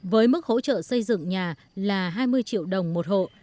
với mức hỗ trợ xây dựng nhà là hai mươi triệu đồng một hộ